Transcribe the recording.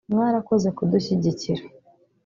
“Mwarakoze kudushyigikira